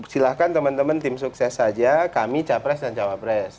silahkan teman teman tim sukses saja kami capres dan cawapres